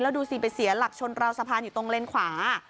ดูสิไปเสียหลักชนราวสะพานอยู่ตรงเลนขวา